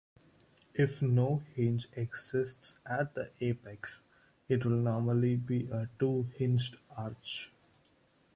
If no hinge exists at the apex, it will normally be a two-hinged arch.